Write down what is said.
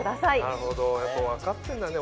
なるほどやっぱ分かってんだね。